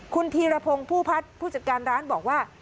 คุณธีรพงศ์ผู้พัฒน์ผู้จัดการร้านบอกว่า